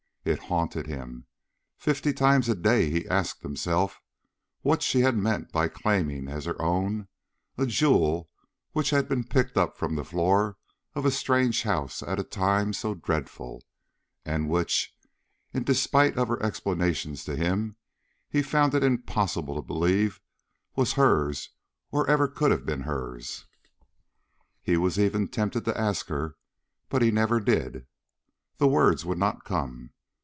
It haunted him. Fifty times a day he asked himself what she had meant by claiming as her own a jewel which had been picked up from the floor of a strange house at a time so dreadful, and which, in despite of her explanations to him, he found it impossible to believe was hers or ever could have been hers? He was even tempted to ask her; but he never did. The words would not come.